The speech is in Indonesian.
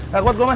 ga kuat gua man